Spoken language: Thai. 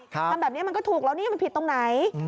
ทำแบบนี้มันก็ถูกแล้วนี่มันผิดตรงไหน